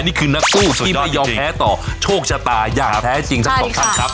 นี่คือนักกู้ที่ไม่ยอมแพ้ต่อโชคชะตาอย่างแท้จริงทั้งสองท่านครับ